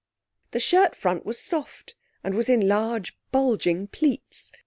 The shirt front was soft, and was in large bulging pleats.